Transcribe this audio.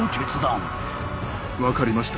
分かりました。